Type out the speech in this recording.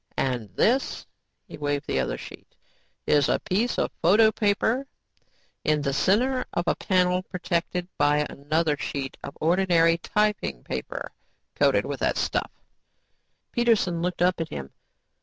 And this," he waved the other sheet, "is a piece of photo paper in the center of a panel protected by another sheet of ordinary typing paper coated with that stuff." Peterson looked up at him.